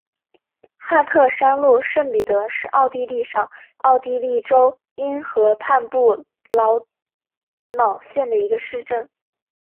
哈特山麓圣彼得是奥地利上奥地利州因河畔布劳瑙县的一个市镇。